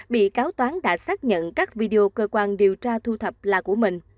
bị cáo toán đã xác nhận các video cơ quan điều tra thu thập là của mình